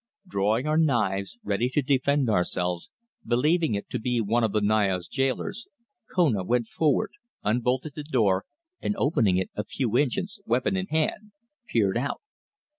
Drawing our knives ready to defend ourselves, believing it to be one of the Naya's gaolers, Kona went forward, unbolted the door and opening it a few inches, weapon in hand, peered out.